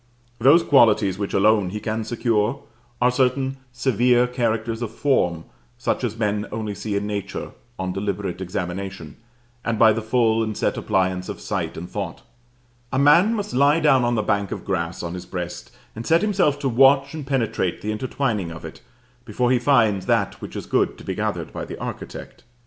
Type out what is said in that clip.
Those qualities which alone he can secure are certain severe characters of form, such as men only see in nature on deliberate examination, and by the full and set appliance of sight and thought: a man must lie down on the bank of grass on his breast and set himself to watch and penetrate the intertwining of it, before he finds that which is good to be gathered by the architect.